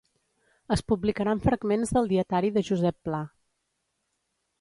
Es publicaran fragments del dietari de Josep Pla